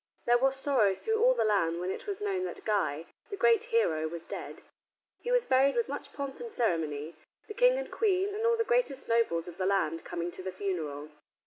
There was sorrow through all the land when it was known that Guy, the great hero, was dead. He was buried with much pomp and ceremony, the King and Queen, and all the greatest nobles of the land, coming to the funeral.